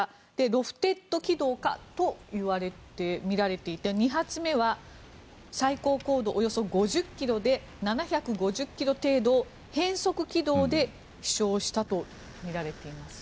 ロフテッド軌道かとみられていて２発目は最高高度およそ５０ｋｍで７５０ｋｍ程度変則軌道で飛翔したとみられています。